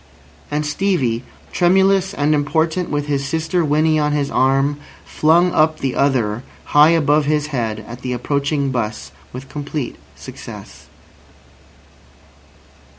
And Stevie, tremulous and important with his sister Winnie on his arm, flung up the other high above his head at the approaching 'bus, with complete success.